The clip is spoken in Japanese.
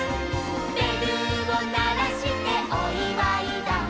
「べるをならしておいわいだ」